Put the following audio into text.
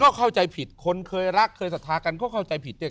ก็เข้าใจผิดคนเคยรักเคยศรัทธากันก็เข้าใจผิดเนี่ย